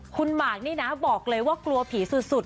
คุณมาร์คบอกเลยว่ากลัวผีสุด